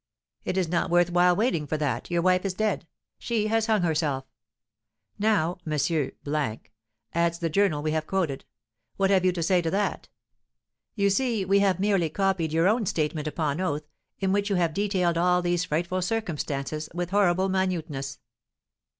"It is not worth while waiting for that, your wife is dead! She has hung herself!"' Now, M. (adds the journal we have quoted), what have you to say to that? You see we have merely copied your own statement upon oath, in which you have detailed all these frightful circumstances with horrible minuteness!"